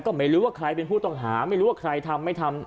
ก็ไม่รู้ว่าใครเป็นผู้ต้องหาไม่รู้ว่าใครทำไม่ทำ